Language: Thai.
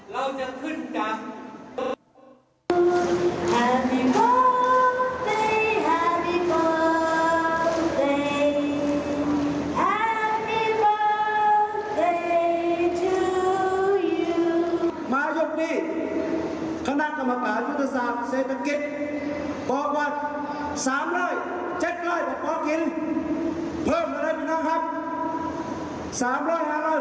หรือบอกอีกคุณภาพก็ได้เจ็ดเลยดีกว่าพี่น้ำ